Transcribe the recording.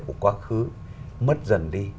của quá khứ mất dần đi